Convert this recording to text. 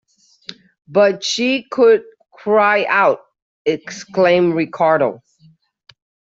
"But she could cry out," exclaimed Ricardo.